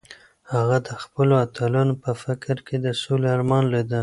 هغه د خپلو اتلانو په فکر کې د سولې ارمان لیده.